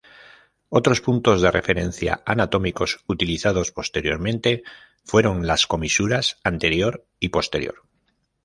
Otros puntos de referencia anatómicos utilizados posteriormente fueron las comisuras anterior y posterior.